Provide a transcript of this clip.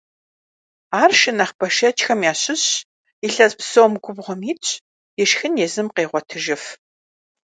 Ар шы нэхъ бэшэчхэм ящыщщ, илъэс псом губгъуэм итщ, и шхын езым къегъуэтыжыф.